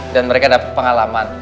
dan mereka dapat pengalaman